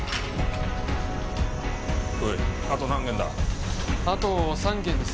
おいあと何軒だ？